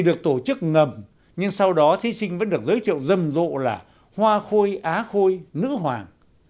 được tổ chức ngầm nhưng sau đó thí sinh vẫn được giới thiệu rầm rộ là hoa khôi á khôi nữ hoàng